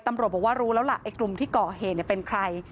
ตำรวจบอกว่ารู้แล้วล่ะไอ้กลุ่มที่ก่อเหตุเป็นใคร